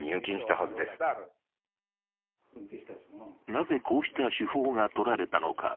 なぜ、こうした手法が取られたのか。